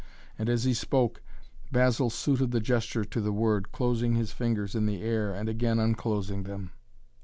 And, as he spoke, Basil suited the gesture to the word, closing his fingers in the air and again unclosing them.